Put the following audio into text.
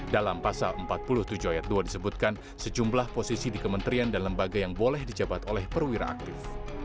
dalam pasal empat puluh tujuh ayat dua disebutkan sejumlah posisi di kementerian dan lembaga yang boleh dijabat oleh perwira aktif